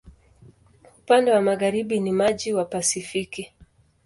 Upande wa magharibi ni maji wa Pasifiki.